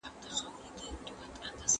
زه کندهار ته ولاړم